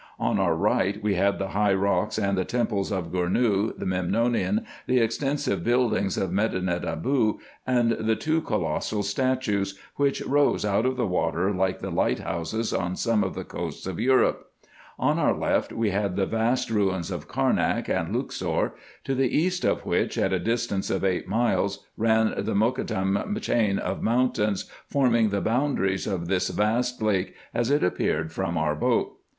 On our right we Q Q 2 300 RESEARCHES AND OPERATIONS had the high rocks and the temples of Gournou, the Memnonium, the extensive buildings of Medinet Aboo, and the two colossal statues, which arose out of the water like the lighthouses on some of the coasts of Europe. On our left we had the vast ruins of Carnak and Luxor ; to the east of which, at a distance of eight miles, ran the Mokattam chain of mountains, forming the boundaries of this vast lake as it appeared from our boat.